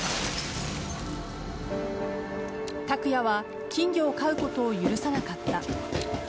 卓弥は金魚を飼うことを許さなかった。